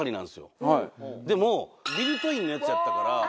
でもビルトインのやつやったから。